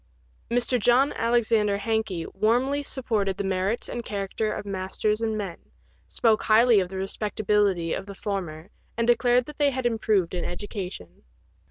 Mr. John Alexander Hankey warmly supported the merits and character of masters and men, spoke highly of the respectability of the former, and declared they had improved in education.